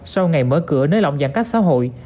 sau ngày mở cửa nới lỏng giãn cách xã hội